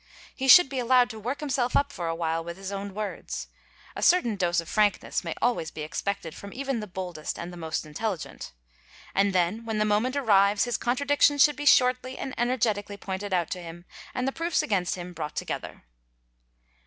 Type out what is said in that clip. He should be allowed to work himself up for a while with his own words (a certain dose of frankness may always be expected from g even the boldest and the most intelligent) and then, when the moment f a rrives, his contradictions should be shortly and energetically pointed out a to him and the proofs against him brought together.